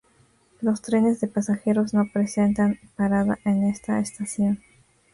Los trenes de pasajeros no presentan parada en esta estación.